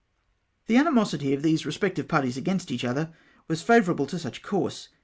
The animosity of these respective parties against each other was favourable to such a course.